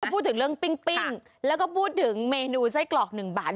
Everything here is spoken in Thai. พูดถึงเรื่องปิ้งปิ้งแล้วก็พูดถึงเมนูทรักกรอกหนึ่งบาท